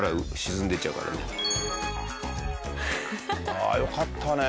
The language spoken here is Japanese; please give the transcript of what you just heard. ああよかったね。